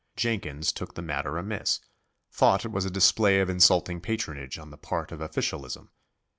Jenkins took the matter amiss, thought it was a display of insulting patronage on the part of officialism.